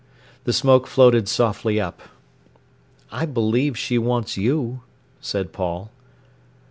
The smoke floated softly up. "I believe she wants you," said Paul.